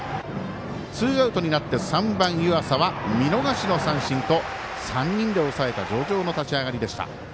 ツーアウトになって３番、湯浅は見逃し三振と、３人で抑えた上々の立ち上がりでした。